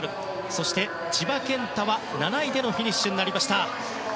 そして、千葉健太は７位でのフィニッシュになりました。